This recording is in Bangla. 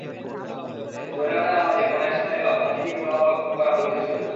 যদি ধরেও নেয়া হয় যে, কোন এক সময়ে ভাতিজী বিবাহ করা বৈধ ছিল।